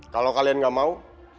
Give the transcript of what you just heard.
kalau kalian gak mau